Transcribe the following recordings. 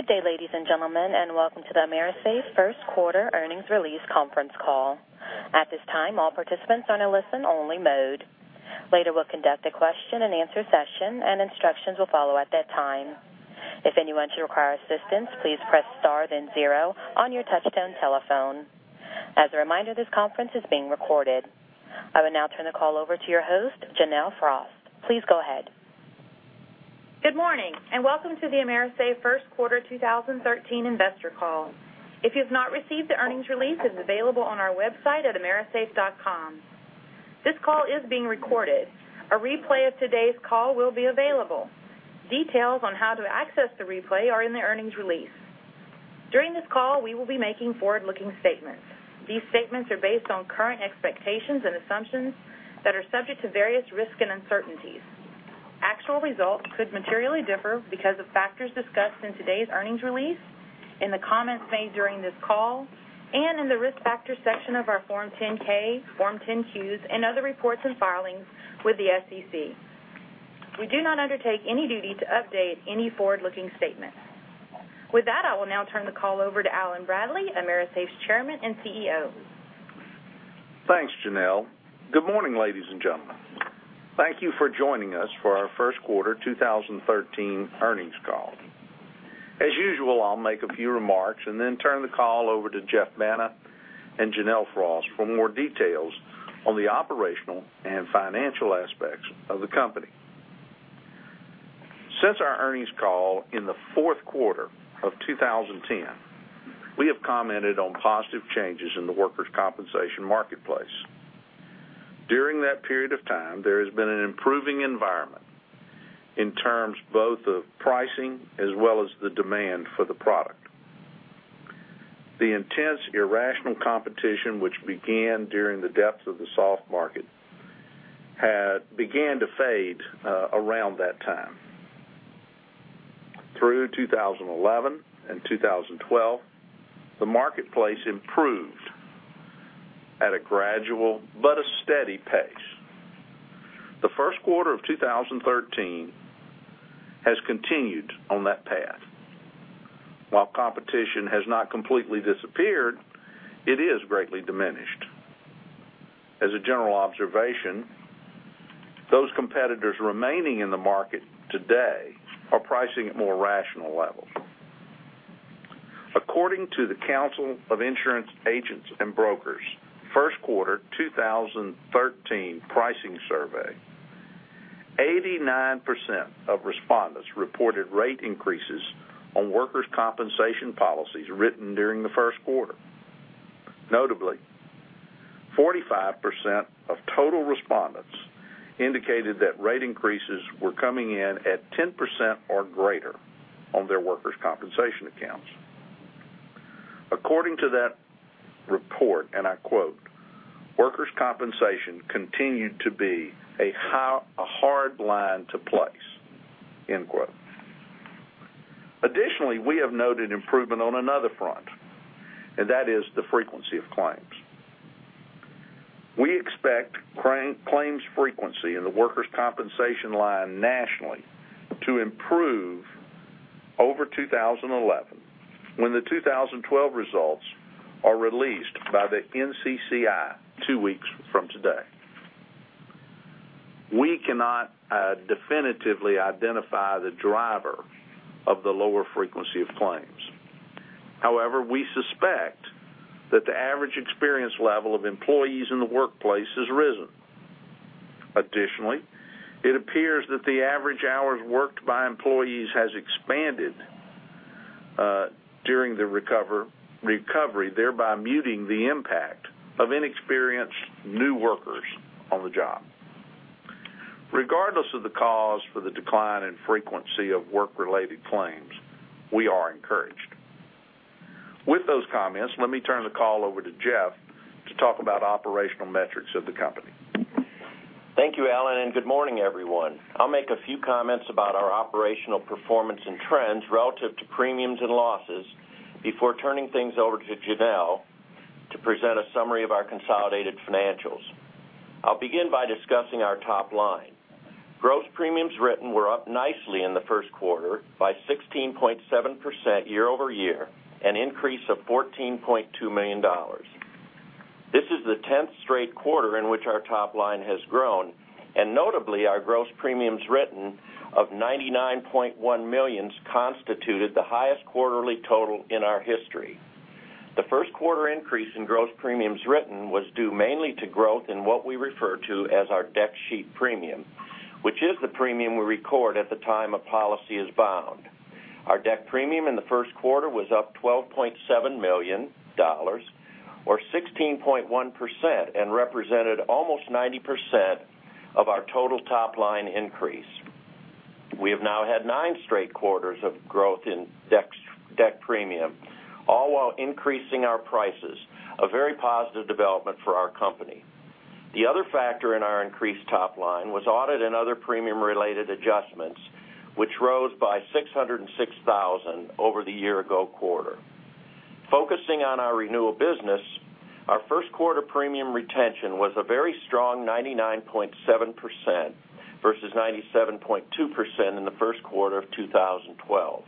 Good day, ladies and gentlemen, and welcome to the AMERISAFE first quarter earnings release conference call. At this time, all participants are in a listen-only mode. Later, we'll conduct a question-and-answer session, and instructions will follow at that time. If anyone should require assistance, please press star then zero on your touch-tone telephone. As a reminder, this conference is being recorded. I will now turn the call over to your host, Janelle Frost. Please go ahead. Good morning, welcome to the AMERISAFE first quarter 2013 investor call. If you have not received the earnings release, it's available on our website at amerisafe.com. This call is being recorded. A replay of today's call will be available. Details on how to access the replay are in the earnings release. During this call, we will be making forward-looking statements. These statements are based on current expectations and assumptions that are subject to various risks and uncertainties. Actual results could materially differ because of factors discussed in today's earnings release, in the comments made during this call, and in the Risk Factors section of our Form 10-K, Form 10-Qs, and other reports and filings with the SEC. We do not undertake any duty to update any forward-looking statement. With that, I will now turn the call over to Allen Bradley, AMERISAFE's Chairman and CEO. Thanks, Janelle. Good morning, ladies and gentlemen. Thank you for joining us for our first quarter 2013 earnings call. As usual, I'll make a few remarks and then turn the call over to Geoff Banta and Janelle Frost for more details on the operational and financial aspects of the company. Since our earnings call in the fourth quarter of 2010, we have commented on positive changes in the workers' compensation marketplace. During that period of time, there has been an improving environment in terms both of pricing as well as the demand for the product. The intense irrational competition, which began during the depths of the soft market, began to fade around that time. Through 2011 and 2012, the marketplace improved at a gradual but a steady pace. The first quarter of 2013 has continued on that path. While competition has not completely disappeared, it is greatly diminished. As a general observation, those competitors remaining in the market today are pricing at more rational levels. According to The Council of Insurance Agents & Brokers' first quarter 2013 pricing survey, 89% of respondents reported rate increases on workers' compensation policies written during the first quarter. Notably, 45% of total respondents indicated that rate increases were coming in at 10% or greater on their workers' compensation accounts. According to that report, and I quote, "Workers' compensation continued to be a hard line to place." End quote. Additionally, we have noted improvement on another front, that is the frequency of claims. We expect claims frequency in the workers' compensation line nationally to improve over 2011 when the 2012 results are released by the NCCI two weeks from today. We cannot definitively identify the driver of the lower frequency of claims. We suspect that the average experience level of employees in the workplace has risen. It appears that the average hours worked by employees has expanded during the recovery, thereby muting the impact of inexperienced new workers on the job. Regardless of the cause for the decline in frequency of work-related claims, we are encouraged. With those comments, let me turn the call over to Geoff to talk about operational metrics of the company. Thank you, Allen, and good morning, everyone. I'll make a few comments about our operational performance and trends relative to premiums and losses before turning things over to Janelle to present a summary of our consolidated financials. I'll begin by discussing our top line. Gross premiums written were up nicely in the first quarter by 16.7% year-over-year, an increase of $14.2 million. Notably, our gross premiums written of $99.1 million constituted the highest quarterly total in our history. The first quarter increase in gross premiums written was due mainly to growth in what we refer to as our deck sheet premium, which is the premium we record at the time a policy is bound. Our deck premium in the first quarter was up $12.7 million, or 16.1%, and represented almost 90% of our total top-line increase. We have now had nine straight quarters of growth in deck premium, all while increasing our prices, a very positive development for our company. The other factor in our increased top line was audit and other premium-related adjustments, which rose by $606,000 over the year-ago quarter. On our renewal business, our first quarter premium retention was a very strong 99.7%, versus 97.2% in the first quarter of 2012.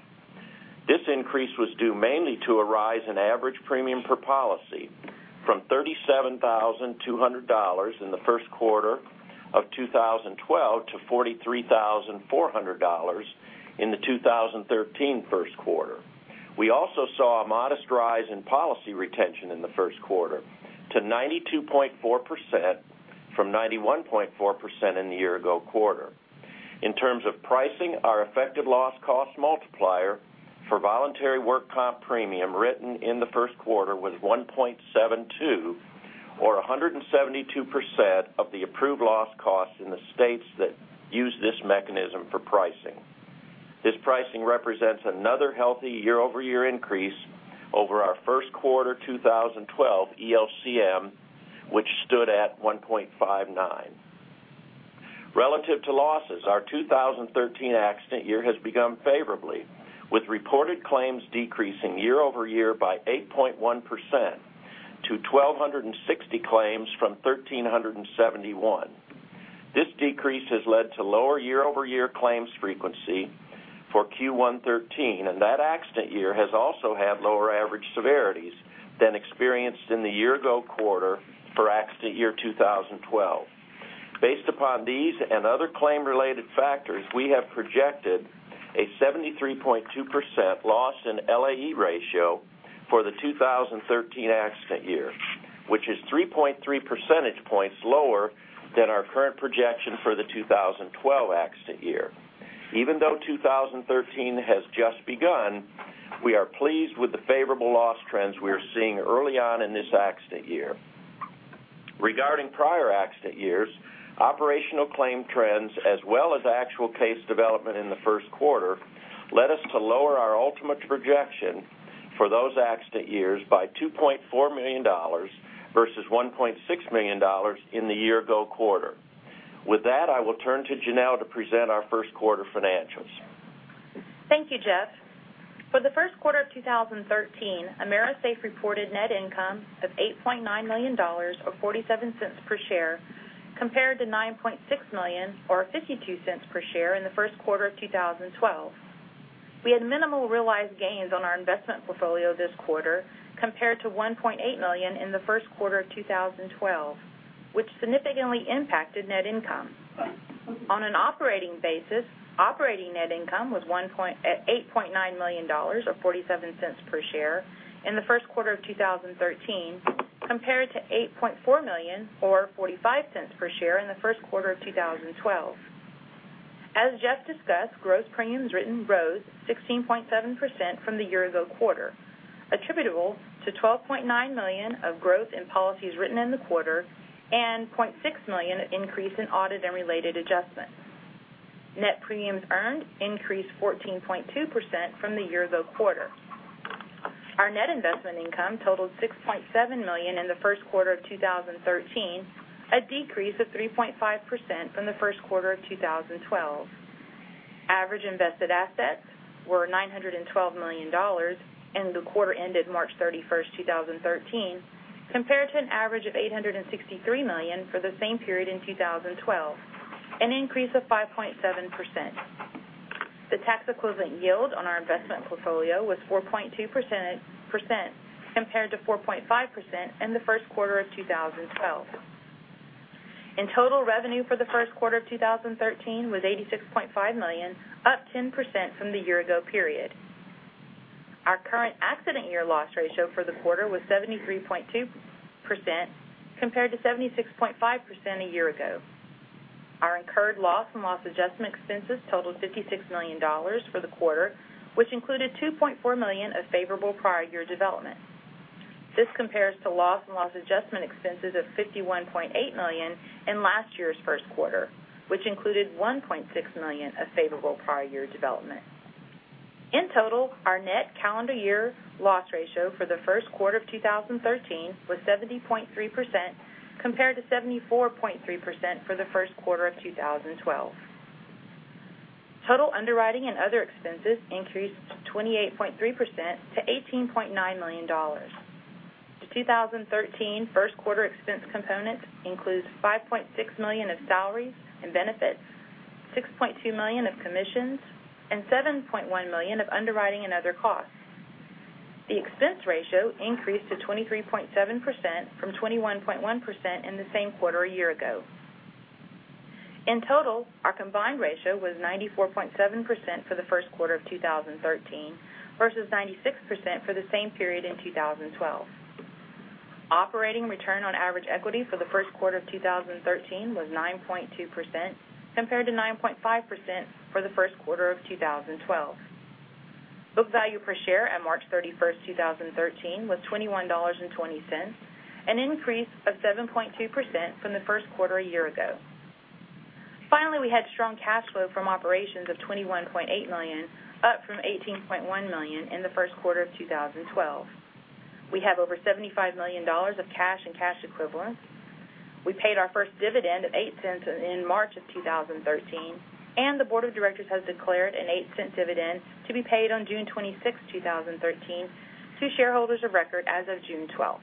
This increase was due mainly to a rise in average premium per policy from $37,200 in the first quarter of 2012 to $43,400 in the 2013 first quarter. We also saw a modest rise in policy retention in the first quarter to 92.4%, from 91.4% in the year-ago quarter. In terms of pricing, our effective loss cost multiplier for voluntary work comp premium written in the first quarter was 1.72 or 172% of the approved loss cost in the states that use this mechanism for pricing. This pricing represents another healthy year-over-year increase over our first quarter 2012 ELCM, which stood at 1.59. Relative to losses, our 2013 accident year has begun favorably, with reported claims decreasing year-over-year by 8.1% to 1,260 claims from 1,371. That accident year has also had lower average severities than experienced in the year-ago quarter for accident year 2012. Based upon these and other claim-related factors, we have projected a 73.2% loss in LAE ratio for the 2013 accident year, which is 3.3 percentage points lower than our current projection for the 2012 accident year. Even though 2013 has just begun, we are pleased with the favorable loss trends we are seeing early on in this accident year. Regarding prior accident years, operational claim trends, as well as actual case development in the first quarter, led us to lower our ultimate projection for those accident years by $2.4 million versus $1.6 million in the year-ago quarter. With that, I will turn to Janelle to present our first quarter financials. Thank you, Geoff. For the first quarter of 2013, AMERISAFE reported net income of $8.9 million, or $0.47 per share, compared to $9.6 million, or $0.52 per share in the first quarter of 2012. We had minimal realized gains on our investment portfolio this quarter compared to $1.8 million in the first quarter of 2012, which significantly impacted net income. On an operating basis, operating net income was at $8.9 million, or $0.47 per share, in the first quarter of 2013, compared to $8.4 million or $0.45 per share in the first quarter of 2012. As Jeff discussed, gross premiums written rose 16.7% from the year-ago quarter, attributable to $12.9 million of growth in policies written in the quarter and $0.6 million increase in audit and related adjustments. Net premiums earned increased 14.2% from the year-ago quarter. Our net investment income totaled $6.7 million in the first quarter of 2013, a decrease of 3.5% from the first quarter of 2012. Average invested assets were $912 million in the quarter ended March 31st, 2013, compared to an average of $863 million for the same period in 2012, an increase of 5.7%. The tax-equivalent yield on our investment portfolio was 4.2%, compared to 4.5% in the first quarter of 2012. In total, revenue for the first quarter of 2013 was $86.5 million, up 10% from the year-ago period. Our current accident year loss ratio for the quarter was 73.2%, compared to 76.5% a year ago. Our incurred loss and loss adjustment expenses totaled $56 million for the quarter, which included $2.4 million of favorable prior year development. This compares to loss and loss adjustment expenses of $51.8 million in last year's first quarter, which included $1.6 million of favorable prior year development. In total, our net calendar year loss ratio for the first quarter of 2013 was 70.3%, compared to 74.3% for the first quarter of 2012. Total underwriting and other expenses increased 28.3% to $18.9 million. The 2013 first quarter expense components includes $5.6 million of salaries and benefits, $6.2 million of commissions, and $7.1 million of underwriting and other costs. The expense ratio increased to 23.7% from 21.1% in the same quarter a year ago. In total, our combined ratio was 94.7% for the first quarter of 2013 versus 96% for the same period in 2012. Operating return on average equity for the first quarter of 2013 was 9.2%, compared to 9.5% for the first quarter of 2012. Book value per share at March 31st, 2013 was $21.20, an increase of 7.2% from the first quarter a year ago. Finally, we had strong cash flow from operations of $21.8 million, up from $18.1 million in the first quarter of 2012. We have over $75 million of cash and cash equivalents. We paid our first dividend of $0.08 in March of 2013, and the board of directors has declared an $0.08 dividend to be paid on June 26, 2013, to shareholders of record as of June 12th.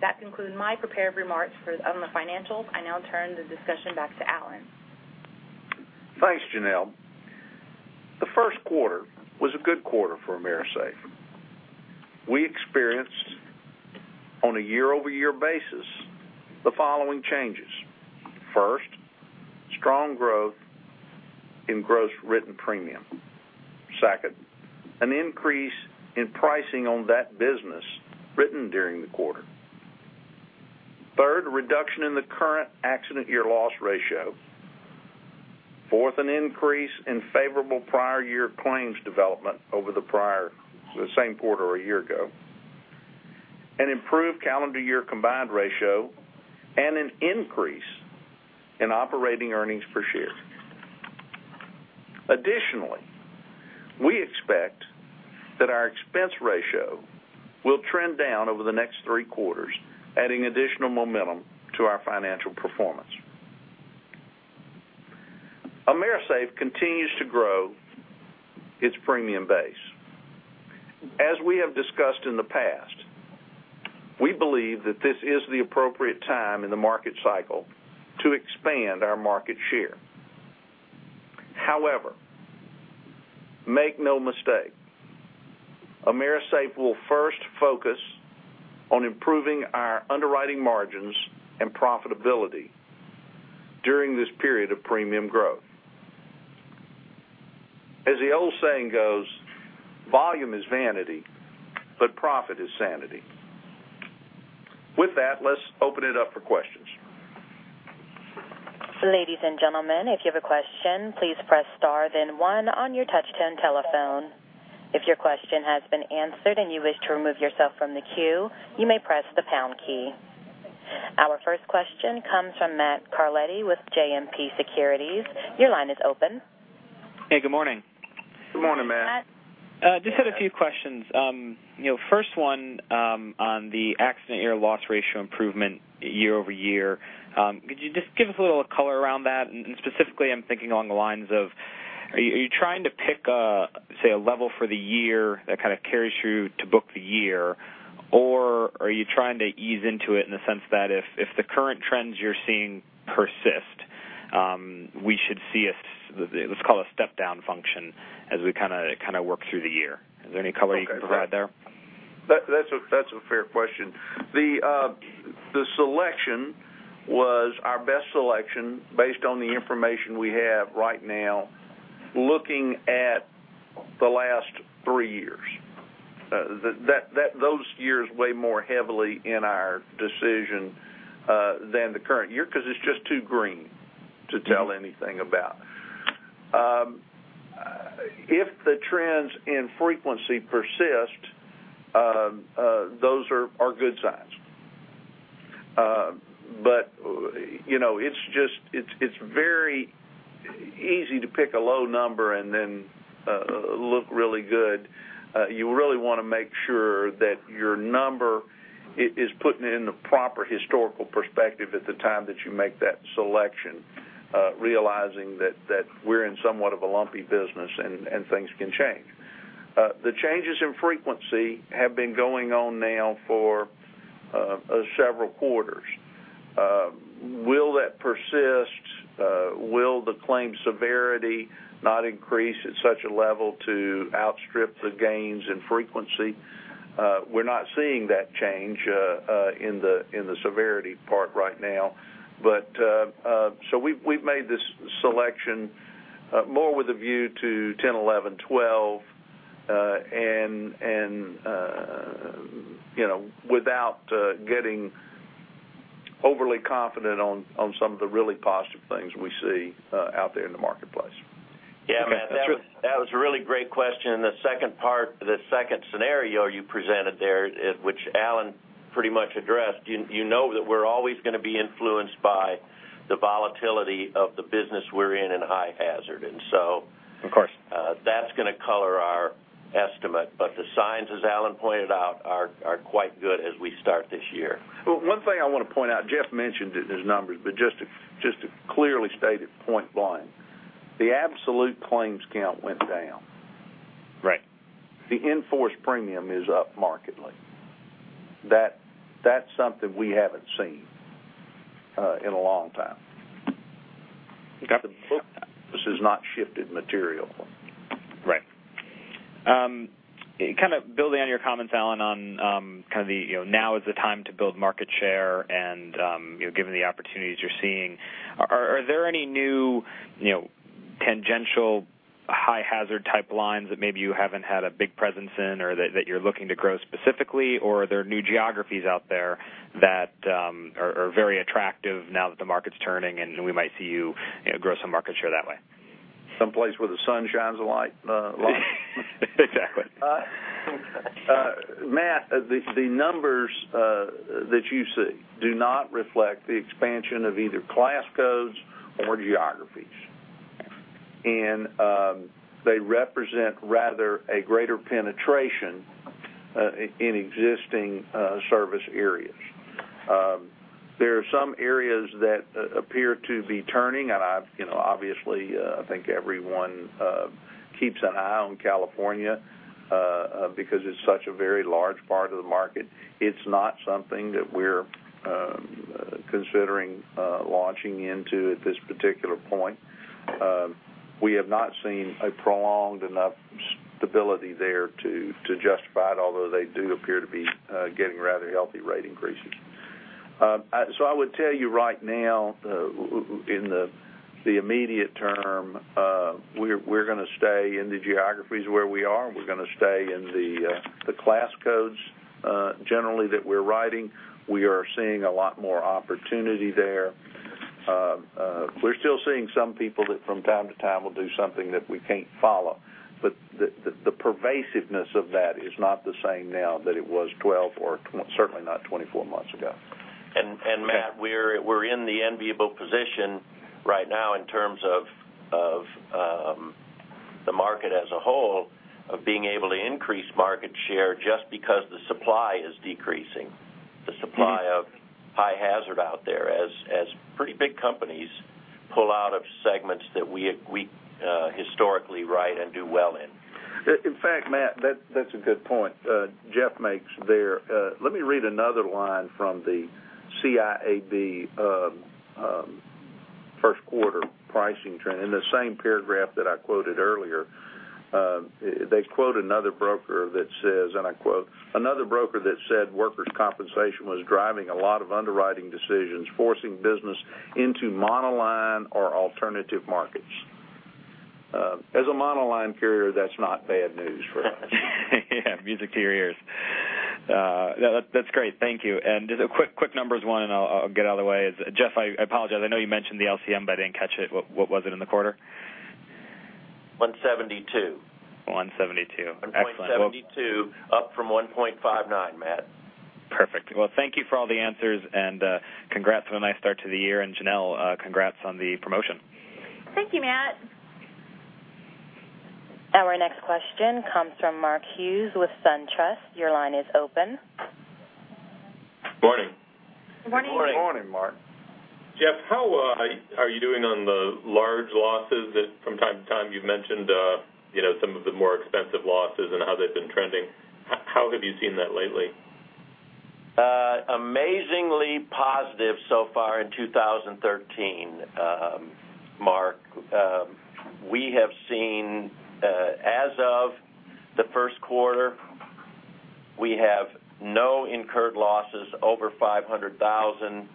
That concludes my prepared remarks on the financials. I now turn the discussion back to Allen. Thanks, Janelle. The first quarter was a good quarter for AMERISAFE. We experienced, on a year-over-year basis, the following changes. First, strong growth in gross written premium. Second, an increase in pricing on that business written during the quarter. Third, a reduction in the current accident year loss ratio. Fourth, an increase in favorable prior year claims development over the same quarter a year ago. An improved calendar year combined ratio, and an increase in operating earnings per share. Additionally, we expect that our expense ratio will trend down over the next three quarters, adding additional momentum to our financial performance. AMERISAFE continues to grow its premium base. As we have discussed in the past, we believe that this is the appropriate time in the market cycle to expand our market share. However, make no mistake, AMERISAFE will first focus on improving our underwriting margins and profitability during this period of premium growth. As the old saying goes, volume is vanity, but profit is sanity. With that, let's open it up for questions. Ladies and gentlemen, if you have a question, please press star then one on your touch-tone telephone. If your question has been answered and you wish to remove yourself from the queue, you may press the pound key. Our first question comes from Matthew Carletti with JMP Securities. Your line is open. Hey, good morning. Good morning, Matt. Just had a few questions. First one on the accident year loss ratio improvement year-over-year. Could you just give us a little color around that? Specifically I'm thinking along the lines of, are you trying to pick a level for the year that kind of carries you to book the year, or are you trying to ease into it in the sense that if the current trends you're seeing persist, we should see, let's call it a step down function as we work through the year? Is there any color you can provide there? That's a fair question. The selection was our best selection based on the information we have right now, looking at the last three years. Those years weigh more heavily in our decision than the current year because it's just too green to tell anything about. If the trends in frequency persist, those are good signs. It's very easy to pick a low number and then look really good. You really want to make sure that your number is put in the proper historical perspective at the time that you make that selection, realizing that we're in somewhat of a lumpy business and things can change. The changes in frequency have been going on now for several quarters. Will that persist? Will the claim severity not increase at such a level to outstrip the gains in frequency? We're not seeing that change in the severity part right now. we've made this selection more with a view to 10, 11, 12, and without getting overly confident on some of the really positive things we see out there in the marketplace. Yeah, Matt, that was a really great question, the second part, the second scenario you presented there, which Alan pretty much addressed, you know that we're always going to be influenced by the volatility of the business we're in in high hazard. Of course that's going to color our estimate. The signs, as Alan pointed out, are quite good as we start this year. One thing I want to point out, Jeff mentioned it in his numbers, but just to clearly state it point blank, the absolute claims count went down. Right. The in-force premium is up markedly. That's something we haven't seen in a long time. Got it. This has not shifted material. Right. Kind of building on your comments, Allen, on now is the time to build market share. Given the opportunities you're seeing, are there any new tangential high hazard type lines that maybe you haven't had a big presence in or that you're looking to grow specifically, or are there new geographies out there that are very attractive now that the market's turning and we might see you grow some market share that way? Some place where the sun shines a lot. Exactly. Matt, the numbers that you see do not reflect the expansion of either class codes or geographies. They represent rather a greater penetration in existing service areas. There are some areas that appear to be turning, obviously, I think everyone keeps an eye on California because it's such a very large part of the market. It's not something that we're considering launching into at this particular point. We have not seen a prolonged enough stability there to justify it, although they do appear to be getting rather healthy rate increases. I would tell you right now, in the immediate term, we're going to stay in the geographies where we are. We're going to stay in the class codes, generally, that we're riding. We are seeing a lot more opportunity there. We're still seeing some people that from time to time will do something that we can't follow. The pervasiveness of that is not the same now that it was 12 or certainly not 24 months ago. Matt, we're in the enviable position right now in terms of the market as a whole, of being able to increase market share just because the supply is decreasing, the supply of high hazard out there as pretty big companies pull out of segments that we historically ride and do well in. In fact, Matt, that's a good point Jeff makes there. Let me read another line from the CIAB first quarter pricing trend in the same paragraph that I quoted earlier. They quote another broker that says, and I quote, "Another broker that said workers' compensation was driving a lot of underwriting decisions, forcing business into monoline or alternative markets." As a monoline carrier, that's not bad news for us. Yeah. Music to your ears. That's great. Thank you. Just a quick numbers one, and I'll get out of the way is, Jeff, I apologize. I know you mentioned the LCM, but I didn't catch it. What was it in the quarter? 172. 172. Excellent. $1.72 up from $1.59, Matt. Perfect. Well, thank you for all the answers, congrats on a nice start to the year. Janelle, congrats on the promotion. Thank you, Matt. Our next question comes from Mark Hughes with SunTrust. Your line is open. Morning. Good morning. Morning. Morning, Mark. Jeff, how are you doing on the large losses that from time to time you've mentioned some of the more expensive losses and how they've been trending? How have you seen that lately? Amazingly positive so far in 2013, Mark. We have seen, as of the first quarter, we have no incurred losses over $500,000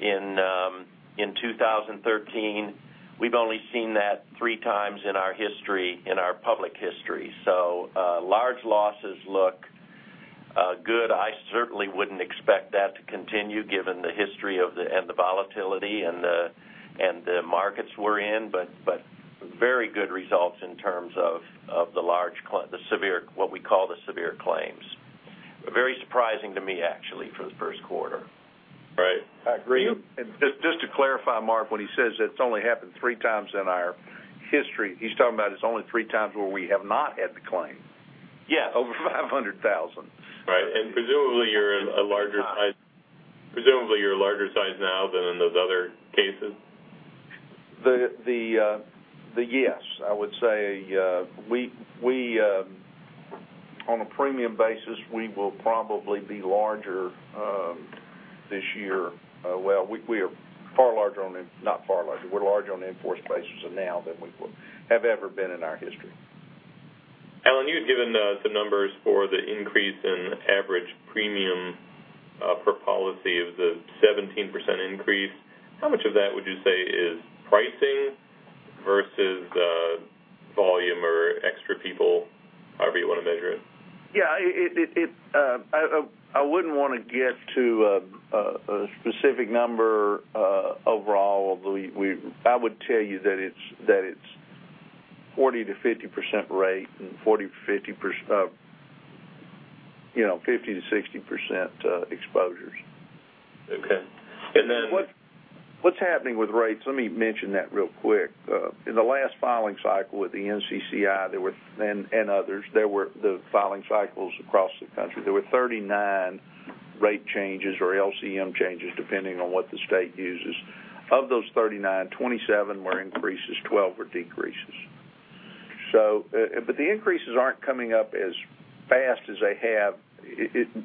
in 2013. We've only seen that three times in our history, in our public history. Large losses look good. I certainly wouldn't expect that to continue given the history and the volatility and the markets we're in, but very good results in terms of the large claim, what we call the severe claims. Very surprising to me, actually, for the first quarter. Right. I agree. Just to clarify, Mark, when he says it's only happened three times in our history, he's talking about it's only three times where we have not had the claim. Yeah. Over $500,000. Right. Presumably you're a larger size now than in those other cases? Yes. I would say on a premium basis, we will probably be larger this year. Well, we are larger on in-force basis now than we have ever been in our history. Allen, you had given the numbers for the increase in average premium per policy of the 17% increase. How much of that would you say is pricing versus volume or extra people? However you want to measure it. I wouldn't want to get to a specific number overall, but I would tell you that it's 40%-50% rate and 50%-60% exposures. Okay. What's happening with rates, let me mention that real quick. In the last filing cycle with the NCCI and others, there were the filing cycles across the country. There were 39 rate changes or LCM changes, depending on what the state uses. Of those 39, 27 were increases, 12 were decreases. The increases aren't coming up as fast as they have.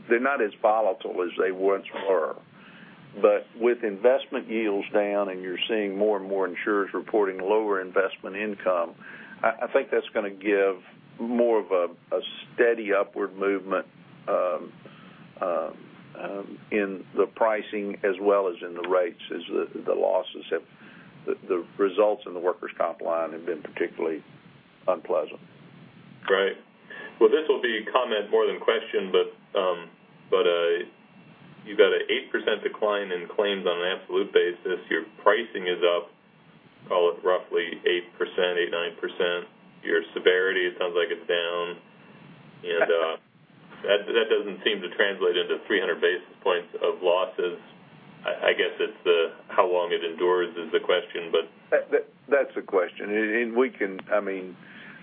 They're not as volatile as they once were. With investment yields down and you're seeing more and more insurers reporting lower investment income, I think that's going to give more of a steady upward movement in the pricing as well as in the rates as the results in the workers' comp line have been particularly unpleasant. Great. Well, this will be a comment more than question. You've got an 8% decline in claims on an absolute basis. Your pricing is up, call it roughly 8%-9%. Doesn't seem to translate into 300 basis points of losses. I guess it's the how long it endures is the question. That's the question.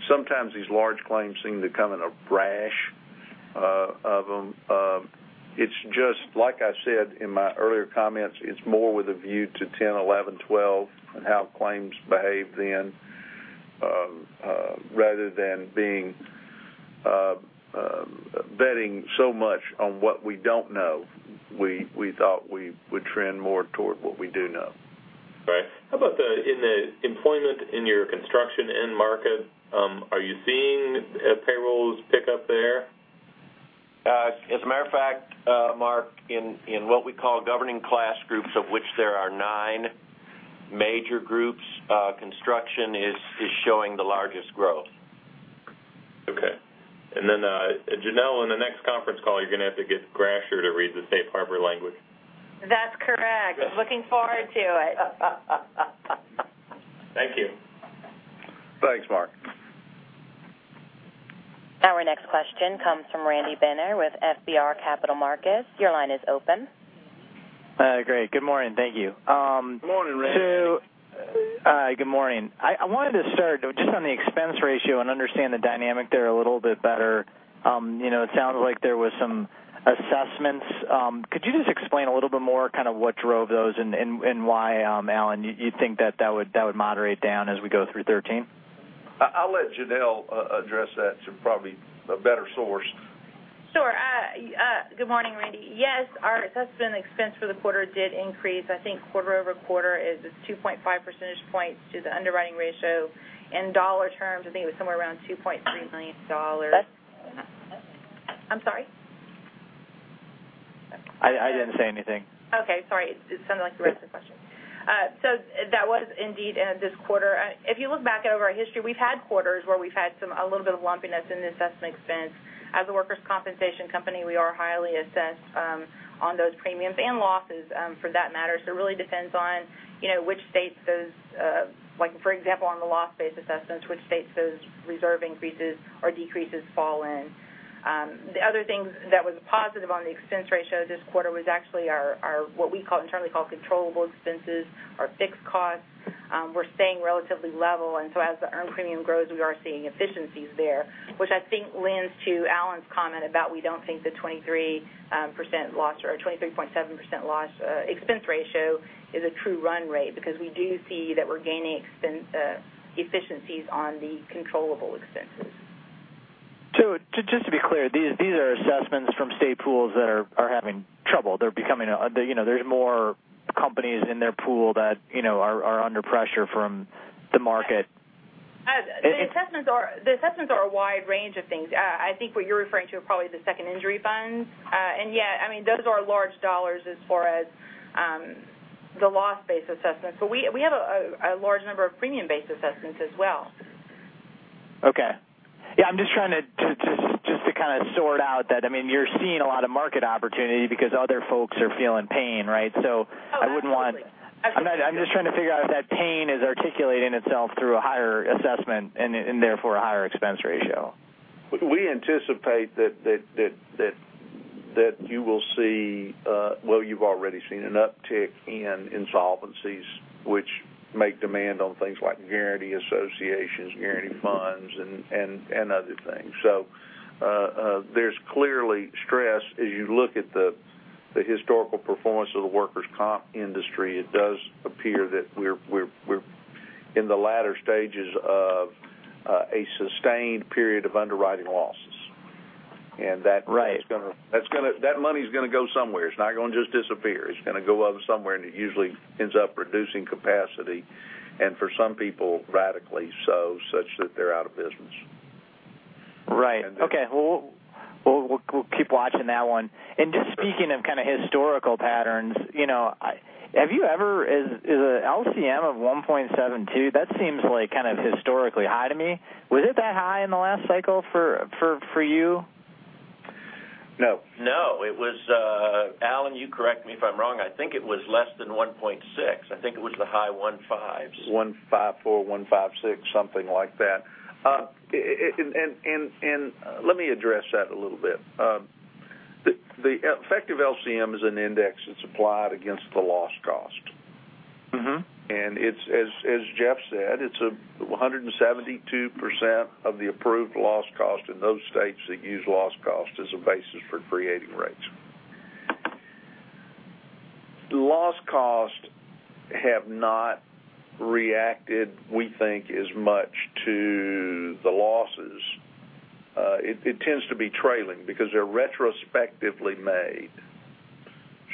Sometimes these large claims seem to come in a rash of them. It's just like I said in my earlier comments, it's more with a view to 2010, 2011, 2012, and how claims behaved then, rather than betting so much on what we don't know, we thought we would trend more toward what we do know. Right. How about in the employment in your construction end market, are you seeing payrolls pick up there? As a matter of fact, Mark, in what we call governing class groups, of which there are nine major groups, construction is showing the largest growth. Okay. Janelle, in the next conference call, you're going to have to get Grasher to read the safe harbor language. That's correct. Looking forward to it. Thank you. Thanks, Mark. Our next question comes from Randy Binner with FBR Capital Markets. Your line is open. Great. Good morning. Thank you. Good morning, Randy. Good morning. I wanted to start just on the expense ratio and understand the dynamic there a little bit better. It sounded like there was some assessments. Could you just explain a little bit more kind of what drove those and why, Alan, you think that that would moderate down as we go through 2013? I'll let Janelle address that. She's probably a better source. Sure. Good morning, Randy. Yes, our assessment expense for the quarter did increase. I think quarter-over-quarter is 2.5 percentage points to the underwriting ratio. In dollar terms, I think it was somewhere around $2.3 million. That- I'm sorry? I didn't say anything. Okay. Sorry. It sounded like the rest of the question. That was indeed this quarter. If you look back at our history, we've had quarters where we've had a little bit of lumpiness in the assessment expense. As a workers' compensation company, we are highly assessed on those premiums, and losses for that matter. It really depends on which states those, like for example, on the loss-based assessments, which states those reserve increases or decreases fall in. The other thing that was positive on the expense ratio this quarter was actually what we internally call controllable expenses or fixed costs were staying relatively level. As the earned premium grows, we are seeing efficiencies there, which I think lends to Allen's comment about we don't think the 23% loss or our 23.7% loss expense ratio is a true run rate because we do see that we're gaining efficiencies on the controllable expenses. Just to be clear, these are assessments from state pools that are having trouble. There's more companies in their pool that are under pressure from the market. The assessments are a wide range of things. I think what you're referring to are probably the second injury funds. Yeah, those are large dollars as far as the loss-based assessments. We have a large number of premium-based assessments as well. Okay. Yeah, I'm just trying to just kind of sort out that you're seeing a lot of market opportunity because other folks are feeling pain, right? Oh, absolutely. I'm just trying to figure out if that pain is articulating itself through a higher assessment and therefore a higher expense ratio. We anticipate that you will see, well, you've already seen an uptick in insolvencies which make demand on things like guarantee associations, guarantee funds, and other things. There's clearly stress as you look at the historical performance of the workers' comp industry. It does appear that we're in the latter stages of a sustained period of underwriting losses. Right. That money is going to go somewhere. It is not going to just disappear. It is going to go somewhere, it usually ends up reducing capacity, and for some people radically so such that they are out of business. Right. Okay. We will keep watching that one. Just speaking of kind of historical patterns, the LCM of 1.72, that seems kind of historically high to me. Was it that high in the last cycle for you? No. No. Alan, you correct me if I am wrong. I think it was less than 1.6. I think it was the high 1.5s. 1.54, 1.56, something like that. Let me address that a little bit. The effective LCM is an index that is applied against the loss cost. As Geoff said, it's 172% of the approved loss cost in those states that use loss cost as a basis for creating rates. Loss costs have not reacted, we think, as much to the losses. It tends to be trailing because they're retrospectively made.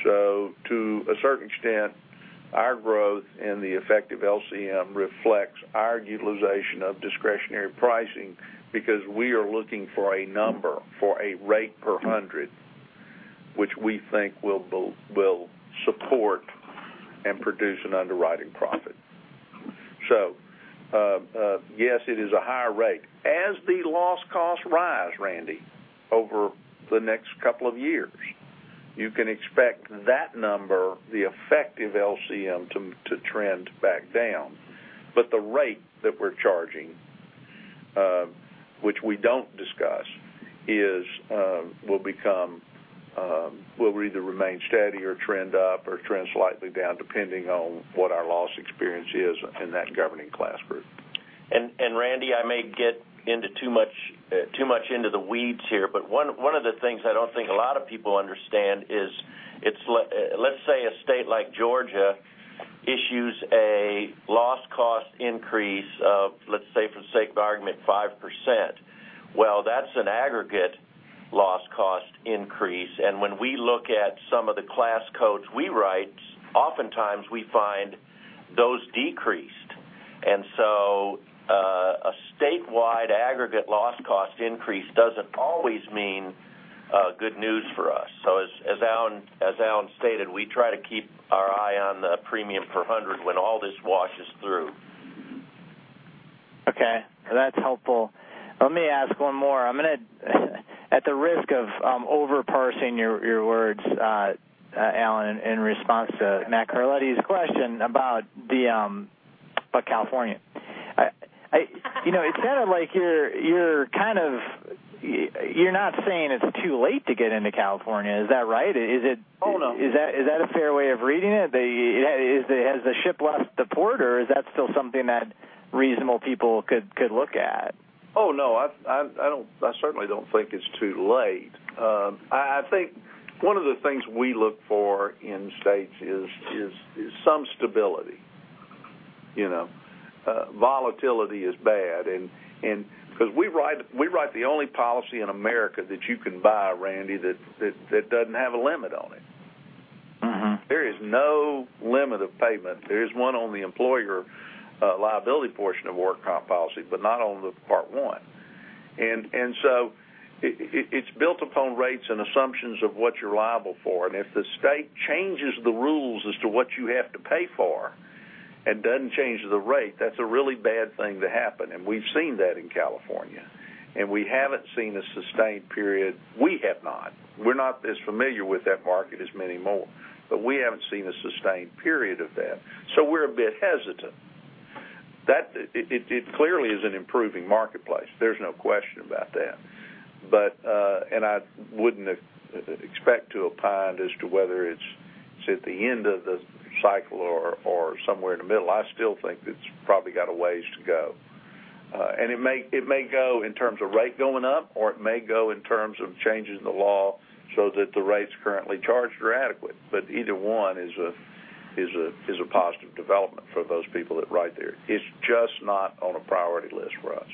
To a certain extent, our growth in the effective LCM reflects our utilization of discretionary pricing because we are looking for a number, for a rate per 100, which we think will support and produce an underwriting profit. Yes, it is a higher rate. As the loss costs rise, Randy, over the next couple of years, you can expect that number, the effective LCM to trend back down. The rate that we're charging, which we don't discuss, will either remain steady or trend up or trend slightly down depending on what our loss experience is in that governing class group. Randy, I may get too much into the weeds here, but one of the things I don't think a lot of people understand is, let's say a state like Georgia issues a loss cost increase of, let's say for sake of argument, 5%. That's an aggregate loss cost increase, and when we look at some of the class codes we write, oftentimes we find those decreased. A statewide aggregate loss cost increase doesn't always mean good news for us. As Alan stated, we try to keep our eye on the premium per hundred when all this washes through. Okay. That's helpful. Let me ask one more. At the risk of over-parsing your words, Alan, in response to Matt Carletti's question about California. It sounded like you're not saying it's too late to get into California, is that right? Oh, no. Is that a fair way of reading it? Has the ship left the port, or is that still something that reasonable people could look at? Oh, no. I certainly don't think it's too late. I think one of the things we look for in states is some stability. Volatility is bad because we write the only policy in America that you can buy, Randy, that doesn't have a limit on it. There is no limit of payment. There is one on the employer liability portion of worker comp policy, but not on the Part 1. It's built upon rates and assumptions of what you're liable for, and if the state changes the rules as to what you have to pay for and doesn't change the rate, that's a really bad thing to happen, and we've seen that in California. We haven't seen a sustained period, we have not. We're not as familiar with that market as many more, but we haven't seen a sustained period of that, so we're a bit hesitant. It clearly is an improving marketplace. There's no question about that. I wouldn't expect to opine as to whether it's at the end of the cycle or somewhere in the middle. I still think it's probably got a ways to go. It may go in terms of rate going up, or it may go in terms of changes in the law so that the rates currently charged are adequate. Either one is a positive development for those people that write there. It's just not on a priority list for us.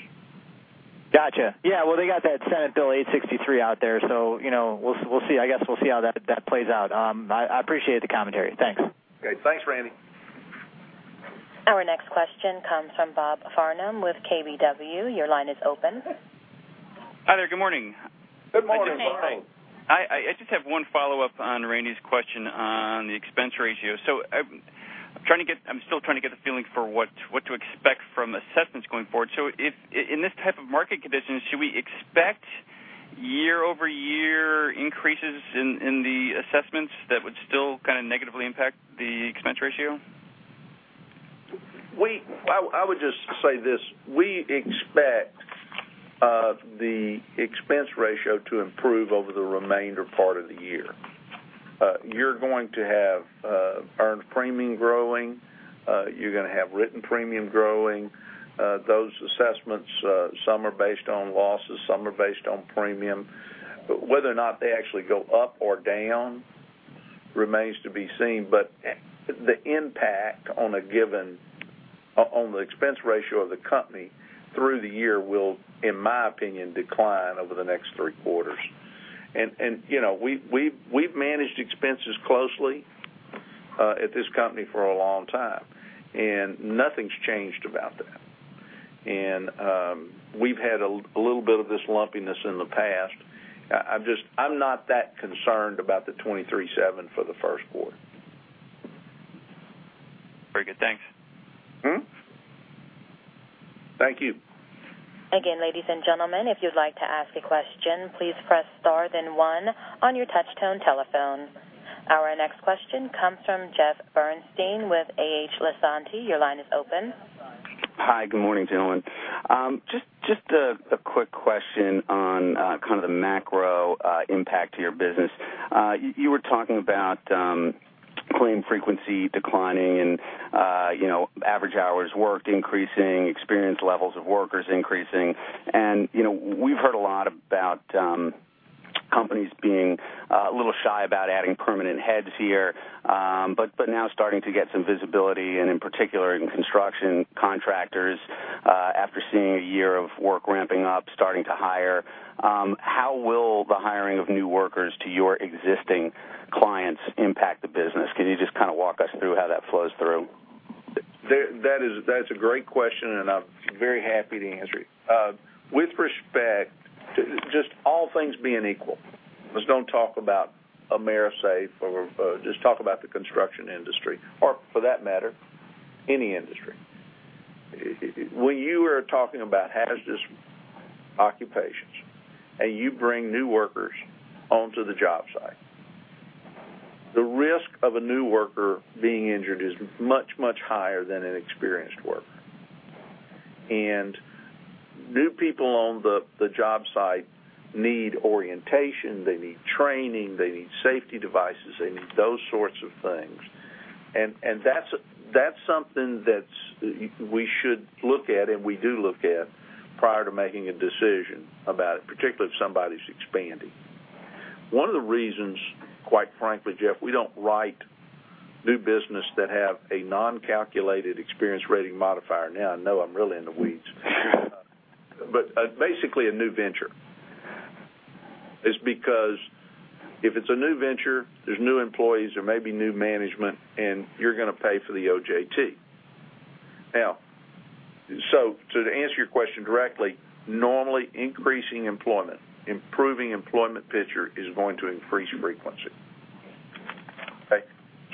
Gotcha. Yeah. They got that Senate Bill 863 out there, so I guess we'll see how that plays out. I appreciate the commentary. Thanks. Great. Thanks, Randy. Our next question comes from Bob Farnum with KBW. Your line is open. Hi there. Good morning. Good morning, Bob. I just have one follow-up on Randy's question on the expense ratio. I'm still trying to get a feeling for what to expect from assessments going forward. In this type of market condition, should we expect year-over-year increases in the assessments that would still kind of negatively impact the expense ratio? I would just say this. We expect the expense ratio to improve over the remainder part of the year. You're going to have earned premium growing. You're going to have written premium growing. Those assessments, some are based on losses, some are based on premium. Whether or not they actually go up or down remains to be seen. The impact on the expense ratio of the company through the year will, in my opinion, decline over the next three quarters. We've managed expenses closely at this company for a long time, and nothing's changed about that. We've had a little bit of this lumpiness in the past. I'm not that concerned about the 23.7 for the first quarter. Very good. Thanks. Thank you. Again, ladies and gentlemen, if you'd like to ask a question, please press star, then one on your touch-tone telephone. Our next question comes from Jeff Bernstein with AH Lisanti. Your line is open. Hi. Good morning, gentlemen. Just a quick question on kind of the macro impact to your business. You were talking about claim frequency declining and average hours worked increasing, experience levels of workers increasing. We've heard a lot about companies being a little shy about adding permanent heads here. Now starting to get some visibility and in particular in construction contractors, after seeing a year of work ramping up, starting to hire. How will the hiring of new workers to your existing clients impact the business? Can you just kind of walk us through how that flows through? That's a great question, and I'm very happy to answer it. With respect to just all things being equal. Let's don't talk about AMERISAFE, just talk about the construction industry, or for that matter, any industry. When you are talking about hazardous occupations and you bring new workers onto the job site The risk of a new worker being injured is much, much higher than an experienced worker. New people on the job site need orientation, they need training, they need safety devices, they need those sorts of things. That's something that we should look at, and we do look at, prior to making a decision about it, particularly if somebody's expanding. One of the reasons, quite frankly, Jeff, we don't write new business that have a non-calculated experience rating modifier. Now I know I'm really in the weeds. Basically a new venture is because if it's a new venture, there's new employees, there may be new management, and you're going to pay for the OJT. To answer your question directly, normally increasing employment, improving employment picture, is going to increase frequency. Okay?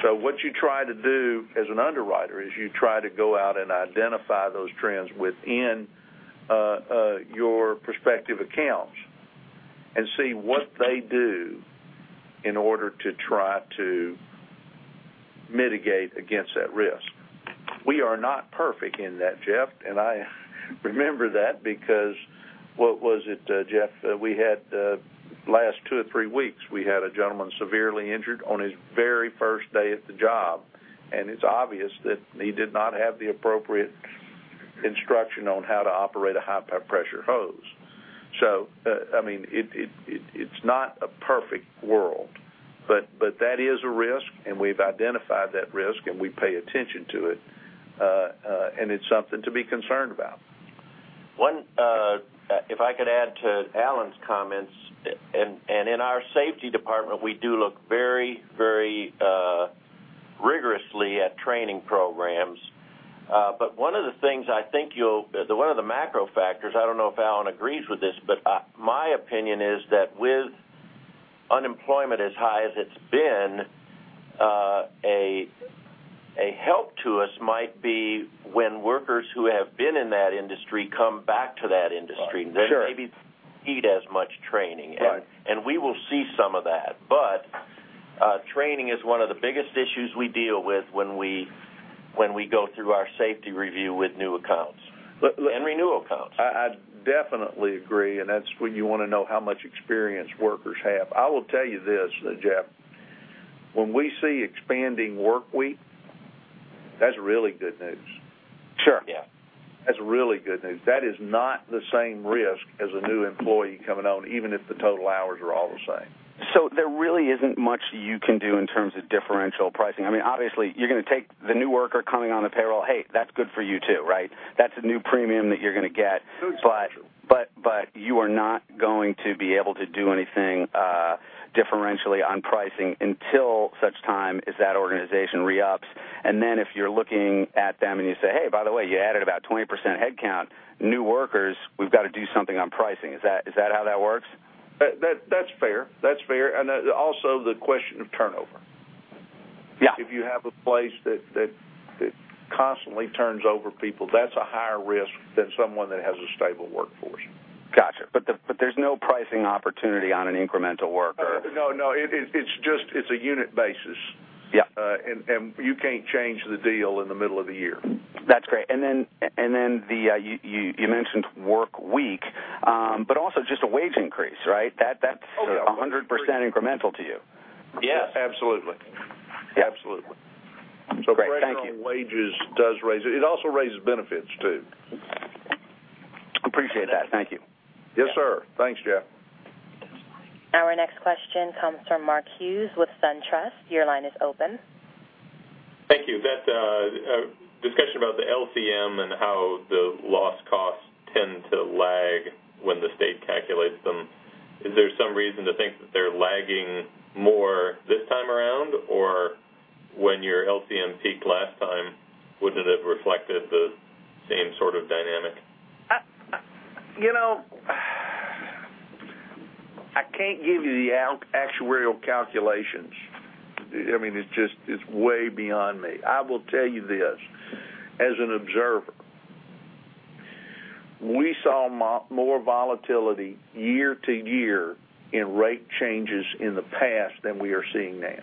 What you try to do as an underwriter is you try to go out and identify those trends within your prospective accounts and see what they do in order to try to mitigate against that risk. We are not perfect in that, Jeff, and I remember that because, what was it, Jeff, we had last two or three weeks, we had a gentleman severely injured on his very first day at the job, and it's obvious that he did not have the appropriate instruction on how to operate a high-pressure hose. It's not a perfect world, but that is a risk and we've identified that risk and we pay attention to it. It's something to be concerned about. If I could add to Alan's comments, and in our safety department, we do look very rigorously at training programs. One of the macro factors, I don't know if Alan agrees with this, but my opinion is that with unemployment as high as it's been, a help to us might be when workers who have been in that industry come back to that industry. Sure. They maybe don't need as much training. Right. We will see some of that. Training is one of the biggest issues we deal with when we go through our safety review with new accounts and renewal accounts. I definitely agree. That's when you want to know how much experience workers have. I will tell you this, Jeff, when we see expanding work week, that's really good news. Sure. Yeah. That's really good news. That is not the same risk as a new employee coming on, even if the total hours are all the same. There really isn't much you can do in terms of differential pricing. Obviously, you're going to take the new worker coming on the payroll. Hey, that's good for you, too, right? That's a new premium that you're going to get. True. You are not going to be able to do anything differentially on pricing until such time as that organization re-ups. Then if you're looking at them and you say, "Hey, by the way, you added about 20% headcount, new workers, we've got to do something on pricing." Is that how that works? That's fair. Also the question of turnover. Yeah. If you have a place that constantly turns over people, that's a higher risk than someone that has a stable workforce. Got you. There's no pricing opportunity on an incremental worker. No. It's a unit basis. Yeah. You can't change the deal in the middle of the year. That's great. You mentioned workweek, but also just a wage increase, right? That's 100% incremental to you. Yes, absolutely. Great. Thank you. Pressure on wages does raise it. It also raises benefits, too. Appreciate that. Thank you. Yes, sir. Thanks, Jeff. Our next question comes from Mark Hughes with SunTrust. Your line is open. Thank you. That discussion about the LCM and how the loss costs tend to lag when the state calculates them, is there some reason to think that they're lagging more this time around, or when your LCM peaked last time, would it have reflected the same sort of dynamic? I can't give you the actuarial calculations. It's way beyond me. I will tell you this, as an observer, we saw more volatility year-to-year in rate changes in the past than we are seeing now.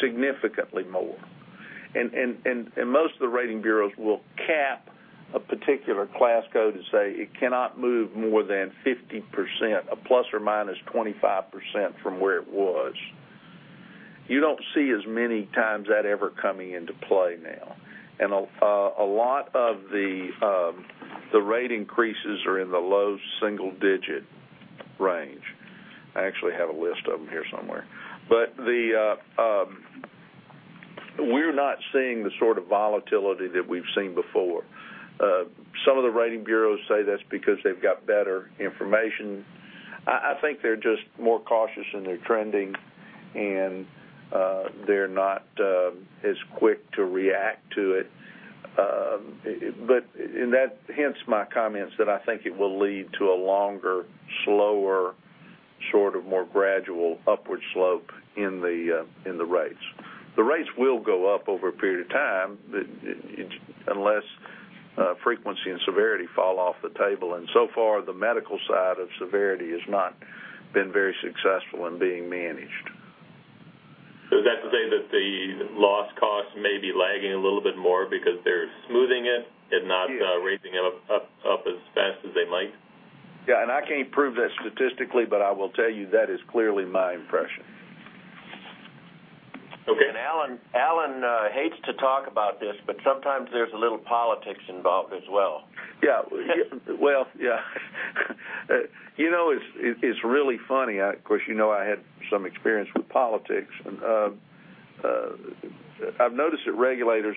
Significantly more. Most of the rating bureaus will cap a particular class code to say it cannot move more than 50%, a ±25% from where it was. You don't see as many times that ever coming into play now. A lot of the rate increases are in the low single-digit range. I actually have a list of them here somewhere. We're not seeing the sort of volatility that we've seen before. Some of the rating bureaus say that's because they've got better information. I think they're just more cautious in their trending and they're not as quick to react to it. Hence my comments that I think it will lead to a longer, slower, more gradual upward slope in the rates. The rates will go up over a period of time. frequency and severity fall off the table, and so far, the medical side of severity has not been very successful in being managed. Is that to say that the loss costs may be lagging a little bit more because they're smoothing it? Yes Rating it up as fast as they might? Yeah, I can't prove that statistically, but I will tell you that is clearly my impression. Okay. Alan hates to talk about this, but sometimes there's a little politics involved as well. Yeah. Well, yeah. It's really funny. Of course, you know I had some experience with politics. I've noticed that regulators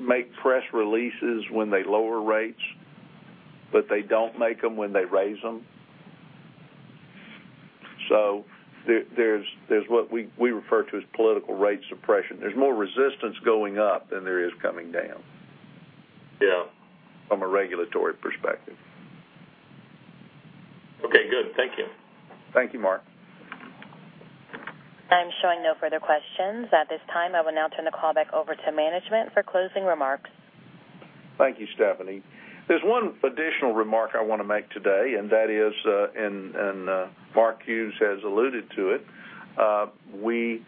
make press releases when they lower rates, but they don't make them when they raise them. There's what we refer to as political rate suppression. There's more resistance going up than there is coming down. Yeah. From a regulatory perspective. Okay, good. Thank you. Thank you, Mark. I'm showing no further questions. At this time, I will now turn the call back over to management for closing remarks. Thank you, Stephanie. There's one additional remark I want to make today, and that is, and Mark Hughes has alluded to it. We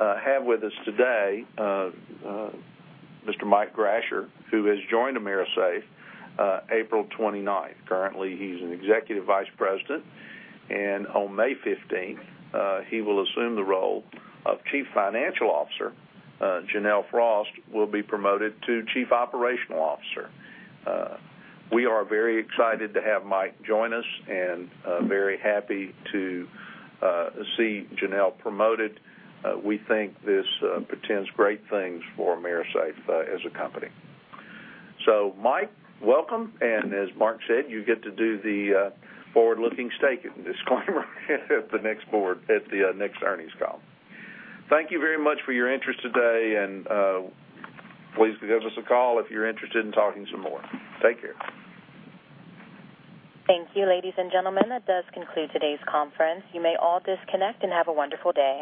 have with us today, Mr. Mike Grasher, who has joined AMERISAFE, April 29th. Currently, he's an executive vice president, and on May 15th, he will assume the role of Chief Financial Officer. Janelle Frost will be promoted to Chief Operational Officer. We are very excited to have Mike join us and very happy to see Janelle promoted. We think this portends great things for AMERISAFE as a company. Mike, welcome, and as Mark said, you get to do the forward-looking statement disclaimer at the next earnings call. Thank you very much for your interest today, and please give us a call if you're interested in talking some more. Take care. Thank you, ladies and gentlemen. That does conclude today's conference. You may all disconnect and have a wonderful day.